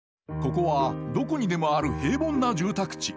ここはどこにでもある平凡な住宅地。